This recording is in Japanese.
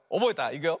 いくよ。